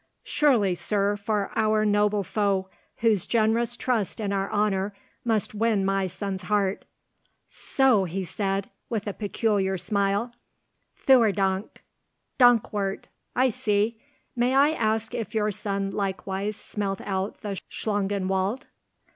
"Surely, sir, for our noble foe, whose generous trust in our honour must win my son's heart." "So!" he said, with a peculiar smile, "Theurdank—Dankwart—I see! May I ask if your son likewise smelt out the Schlangenwald?"